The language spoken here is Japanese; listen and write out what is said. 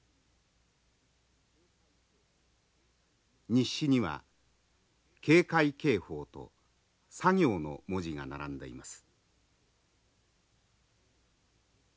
日誌には「警戒警報」と「作業」の文字が並んでいます。